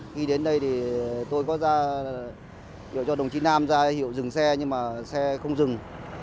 khi đến đây thì tôi có cho đồng chí nam ra hiệu dừng xe nhưng mà xe không dừng